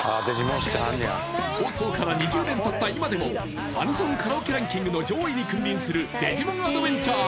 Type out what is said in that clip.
放送から２０年たった今でもアニソンカラオケランキングの上位に君臨する「デジモンアドベンチャー」